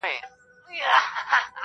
پوري زهر د خپل ښکار د غوښو خوند سو،